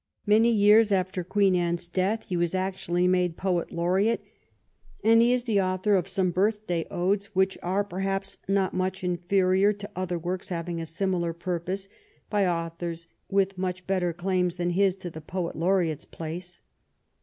Many years after Queen Anne's death he was actually made poet laureate, and he is the author of some birthday odes which are, perhaps, not much in ferior to other works having a similar purpose by authors with much better claims than his to the poet laureate's place.